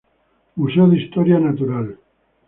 Museo de Historia Natural.